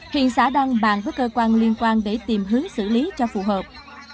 hiện xã đang bàn với cơ quan liên quan để tìm hướng xử lý cho phù hợp